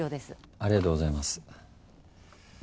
ありがとうございます。